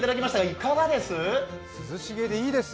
いかがです？